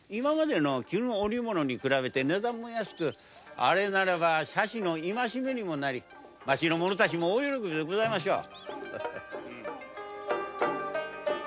「絹織物」に比べて値段も安くあれならばぜいたくのいましめにもなり町の者たちも大喜びでございましょう。